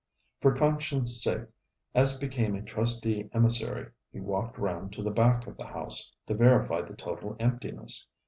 For conscience' sake, as became a trusty emissary, he walked round to the back of the house, to verify the total emptiness.